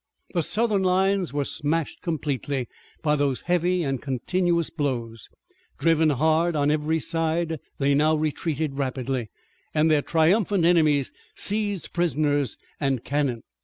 The Southern lines were smashed completely by those heavy and continuous blows. Driven hard on every side they now retreated rapidly, and their triumphant enemies seized prisoners and cannon.